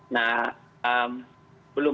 nah belum berlaku